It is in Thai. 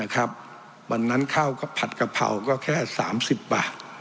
วันนั้นข้าวผัดกะเพราก็แค่๓๐บาท